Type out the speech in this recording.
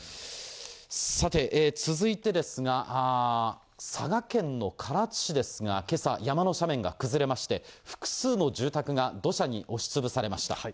さて、続いてですが、佐賀県の唐津市ですが、けさ、山の斜面が崩れまして、複数の住宅が土砂に押しつぶされました。